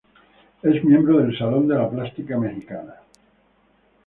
Es miembro del Salón de la Plástica Mexicana.